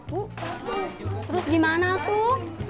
terus gimana tuh